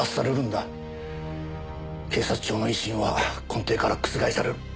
警察庁の威信は根底から覆される。